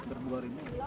berdua ribu juta